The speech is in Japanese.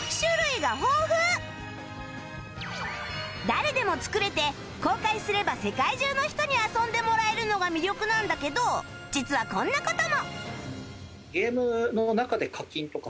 誰でも作れて公開すれば世界中の人に遊んでもらえるのが魅力なんだけど実はこんな事も！